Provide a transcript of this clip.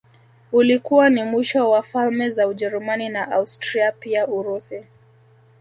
Ulikuwa ni mwisho wa falme za Ujerumani na Austria pia Urusi